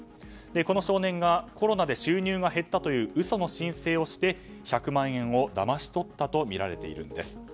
この少年がコロナで収入が減ったと嘘の申請をして１００万円をだまし取ったとみられているんです。